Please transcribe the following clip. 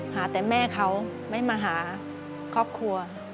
หาแต่แม่เขาไม่มาหาครอบครัว